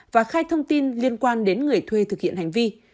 và khai thông tin liên quan đến người thuê thực hiện hành vi